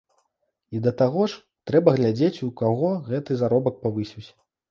І, да таго ж, трэба глядзець, у каго гэты заробак павысіўся.